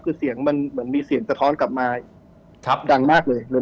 คือเสียงมันมีเสียงสะท้อนกลับมาดังมากเลย